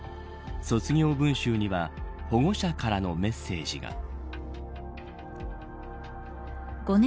卒業文集には保護者からのメッセージが。